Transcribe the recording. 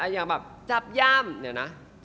อย่างจับยาม๓แต้ม